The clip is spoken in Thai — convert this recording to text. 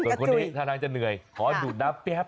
แต่คนนี้ท่าน้ำจะเหนื่อยขอดูดน้ำแป๊บ